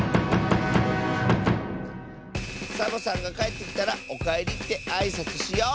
サボさんがかえってきたら「おかえり」ってあいさつしよう！